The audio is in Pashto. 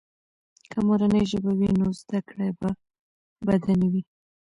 که مورنۍ ژبه وي، نو زده کړه به بده نه وي.